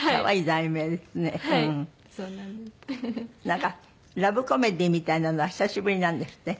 なんかラブコメディーみたいなのは久しぶりなんですって？